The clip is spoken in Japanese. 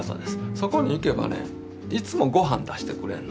そこに行けばねいつもごはん出してくれんの。